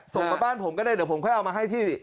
ส่งมาบ้านผมก็ได้เดี๋ยวผมค่อยเอามาให้ที่